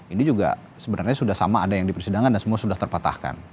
ini juga sebenarnya sudah sama ada yang di persidangan dan semua sudah terpatahkan